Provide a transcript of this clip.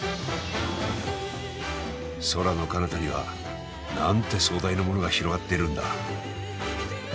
空のかなたにはなんて壮大なものが広がっているんだ。